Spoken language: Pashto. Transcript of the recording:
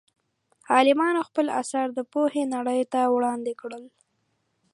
عالمانو خپل اثار د پوهې نړۍ ته وړاندې کړل.